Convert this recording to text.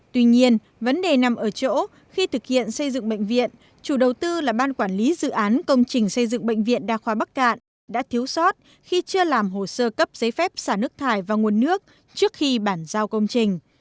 tuy nhiên vấn đề nằm ở chỗ khi thực hiện xây dựng bệnh viện chủ đầu tư là ban quản lý dự án công trình xây dựng bệnh viện đa khoa bắc cạn đã thiếu sót khi chưa làm hồ sơ cấp giấy phép xả nước thải và nguồn nước trước khi bản giao công trình